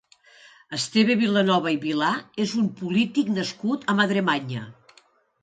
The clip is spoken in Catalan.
Esteve Vilanova i Vilà és un polític nascut a Madremanya.